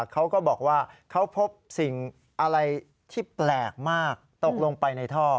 เขาก็บอกว่าเขาพบสิ่งอะไรที่แปลกมากตกลงไปในท่อ